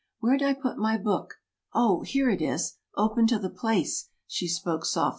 Where'd I put my book? Oh, here it is, open to the place," she spoke softly.